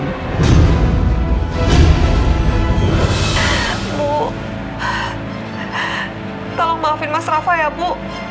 ibu tolong maafin mas rafa ya ibu